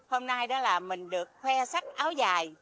hôm nay đó là mình được khoe sắc áo dài